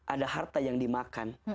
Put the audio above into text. ada harta yang dimakan